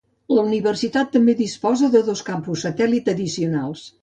La universitat també disposa de dos campus satèl·lit addicionals.